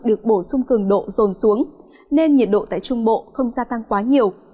được bổ sung cường độ dồn xuống nên nhiệt độ tại trung bộ không gia tăng quá nhiều